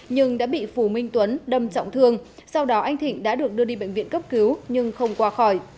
nhưng đã bị phù minh tuấn đâm trọng thương sau đó anh thịnh đã được đưa đi bệnh viện cấp cứu nhưng không qua khỏi